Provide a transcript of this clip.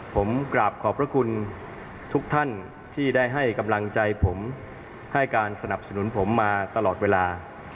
ผมกราบขอบพระคุณทุกท่านที่ได้ให้กำลังใจผมให้การสนับสนุนผมมาตลอดเวลา